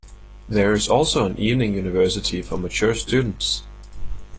There is also an evening university for mature students.